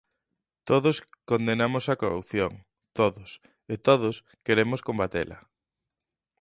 Todos condenamos a corrupción, todos, e todos queremos combatela.